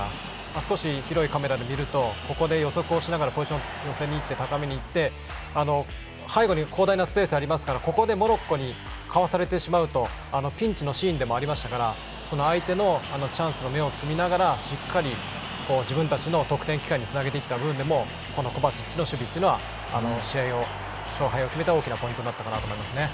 少し広いカメラで見ると、ここで予測しながらポジションを寄せにいって高めにいって背後に広大なスペースありますからここでモロッコにかわされてしまうとピンチのシーンでもありましたから相手のチャンスの芽を摘みながらしっかり自分たちの得点機会につなげていった部分でもコバチッチの守備というのは試合の勝敗を決めた大きなポイントになったと思います。